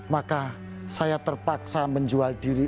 maka saya terpaksa menjual diri